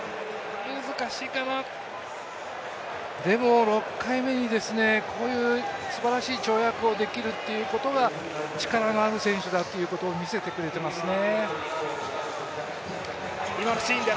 難しいかな、でも、６回目にこういうすばらしい跳躍をできるということが力がある選手だということを見せてくれてますね。